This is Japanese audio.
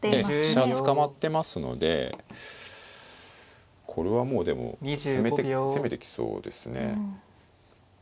ねえ飛車捕まってますのでこれはもうでも攻めてきそうですね。